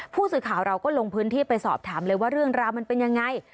ผู้สื่อข่าวเราก็ลงพื้นที่ไปสอบถามเลยว่าเรื่องราวมันเป็นยังไง